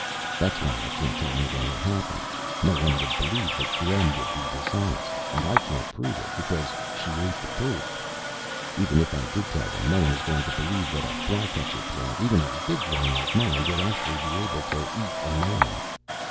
That's why I can't tell anyone what happened. No one would believe that Gremm would be dishonest. And I can't prove it, because she ate the proof. Even if I did tell them, no one is going to believe that a fly catcher plant even a big one like mine would actually be able to eat a man.